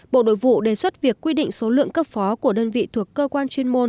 bộ nội vụ đề xuất việc quy định số lượng cấp phó của đơn vị thuộc cơ quan chuyên môn